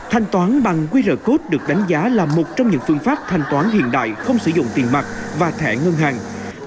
thanh toán bằng qr code được đánh giá là một trong những phương pháp thanh toán hiện đại không sử dụng tiền mặt và thẻ ngân hàng